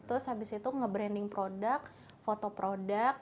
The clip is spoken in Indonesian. terus habis itu nge branding produk foto produk